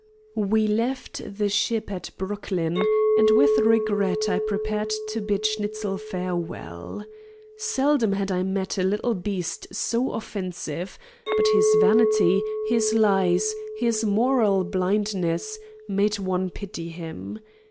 We left the ship at Brooklyn, and with regret I prepared to bid Schnitzel farewell. Seldom had I met a little beast so offensive, but his vanity, his lies, his moral blindness, made one pity him.